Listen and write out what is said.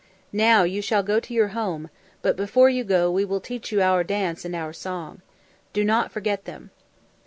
Now you shall go to your home, but before you go we will teach you our dance and our song. Do not forget them."